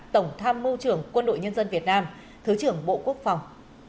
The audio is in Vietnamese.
tổng tham mưu trưởng quân đội nhân dân việt nam thứ trưởng bộ quốc phòng